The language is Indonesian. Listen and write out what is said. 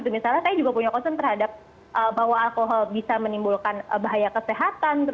misalnya saya juga punya concern terhadap bahwa alkohol bisa menimbulkan bahaya kesehatan